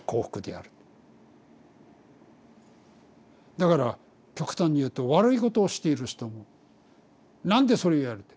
だから極端に言うと悪いことをしている人もなんでそれをやるんだ？